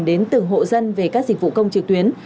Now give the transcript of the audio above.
đến từng hộ dân về các dịch vụ công trực tuyến